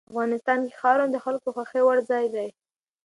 افغانستان کې ښارونه د خلکو خوښې وړ ځای دی.